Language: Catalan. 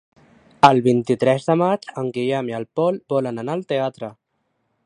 El vint-i-tres de maig en Guillem i en Pol volen anar al teatre.